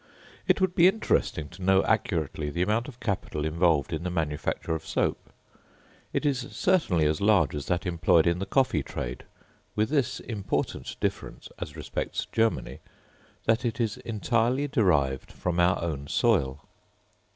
It would be interesting to know accurately the amount of capital involved in the manufacture of soap; it is certainly as large as that employed in the coffee trade, with this important difference as respects Germany, that it is entirely derived from our own soil.